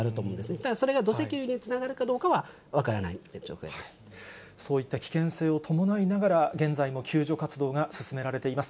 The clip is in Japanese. ただそれが土石流につながそういった危険性を伴いながら、現在も救助活動が進められています。